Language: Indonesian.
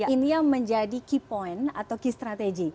ini yang menjadi key point atau key strategy